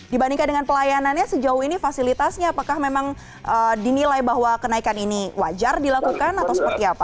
dibandingkan dengan pelayanannya sejauh ini fasilitasnya apakah memang dinilai bahwa kenaikan ini wajar dilakukan atau seperti apa